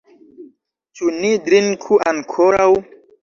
Ĉu ni drinku ankoraŭ?